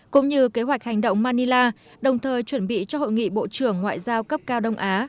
cũng như kế hoạch hành động manila đồng thời chuẩn bị cho hội nghị bộ trưởng ngoại giao cấp cao đông á